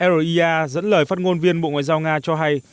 roia dẫn lời phát ngôn viên bộ ngoại giao nga cho hay